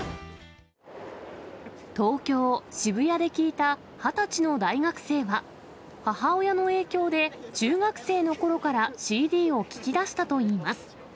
東京・渋谷で聞いた、２０歳の大学生は、母親の影響で、中学生のころからＣＤを聴きだしたといいます。